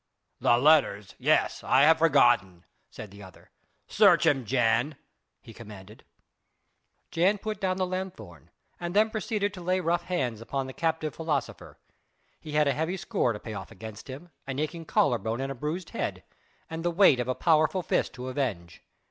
"The letters! yes! I have forgotten!" said the other. "Search him, Jan!" he commanded. Jan put down the lanthorn and then proceeded to lay rough hands upon the captive philosopher; he had a heavy score to pay off against him an aching collar bone and a bruised head, and the weight of a powerful fist to avenge.